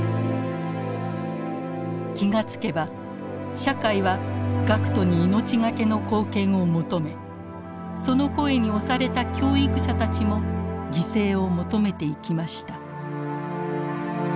気が付けば社会は学徒に命懸けの貢献を求めその声に押された教育者たちも犠牲を求めていきました。